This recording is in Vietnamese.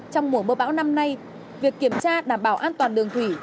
trong mùa mưa bão năm nay việc kiểm tra đảm bảo an toàn đường thủy